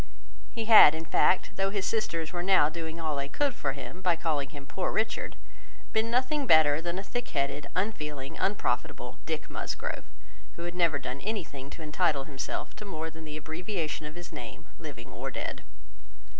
He had, in fact, though his sisters were now doing all they could for him, by calling him "poor Richard," been nothing better than a thick headed, unfeeling, unprofitable Dick Musgrove, who had never done anything to entitle himself to more than the abbreviation of his name, living or dead.